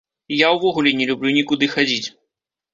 Я ўвогуле не люблю нікуды хадзіць.